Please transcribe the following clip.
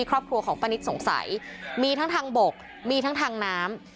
ครอบครัวของป้านิตสงสัยมีทั้งทางบกมีทั้งทางน้ำ